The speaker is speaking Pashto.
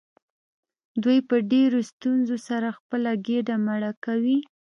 دوی په ډیرو ستونزو سره خپله ګیډه مړه کوي.